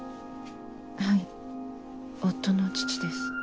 はい夫の父です。